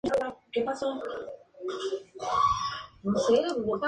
Fue designado como juez suplente de Estados Unidos para los Juicios de Núremberg.